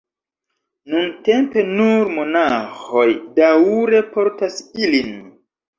Nuntempe nur monaĥoj daŭre portas ilin.